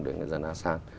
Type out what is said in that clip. để người dân asean